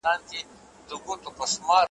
په کتاب کي چي مي هره شپه لوستله ,